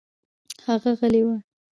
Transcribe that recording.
هغه غلى و.